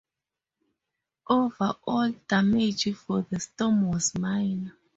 Overall damage from the storm was minor.